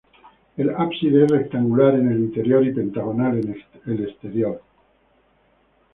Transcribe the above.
El ábside es rectangular en el interior y pentagonal en el exterior.